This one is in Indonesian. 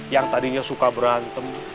yang tadinya suka berantem